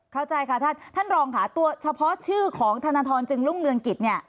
เข้าใจค่ะท่านท่านรองค่ะตัวเฉพาะชื่อของธนทรจึงรุ่งเรืองกิจเนี่ย